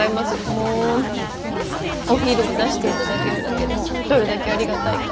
もうお昼を出していただけるだけでどれだけありがたいか。